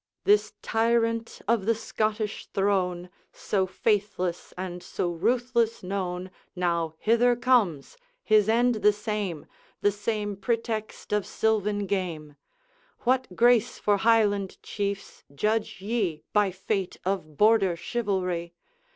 This tyrant of the Scottish throne, So faithless and so ruthless known, Now hither comes; his end the same, The same pretext of sylvan game. What grace for Highland Chiefs, judge ye By fate of Border chivalry.